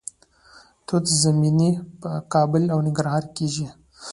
توت زمینی په کابل او ننګرهار کې کیږي.